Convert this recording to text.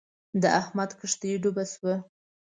د احمد کښتی ډوبه شوه.